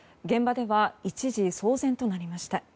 現場では一時騒然となりました。